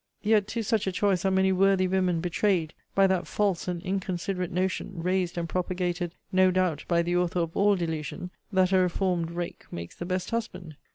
Yet, to such a choice are many worthy women betrayed, by that false and inconsiderate notion, raised and propagated, no doubt, by the author of all delusion, that a reformed rake makes the best husband.